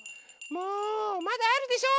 もうまだあるでしょ！